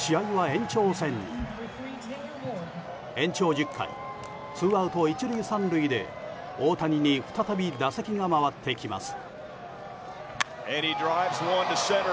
延長１０回ツーアウト１塁３塁で大谷に再び打席が回ってきます。